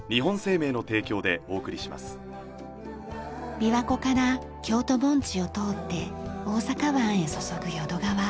琵琶湖から京都盆地を通って大阪湾へ注ぐ淀川。